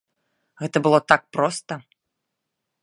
Гэта было так проста.